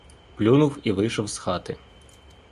Плюнув і вийшов з хати.